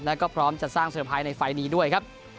และก็พร้อมจะสร้างสุดภัยในไฟล์นี้ด้วยครับ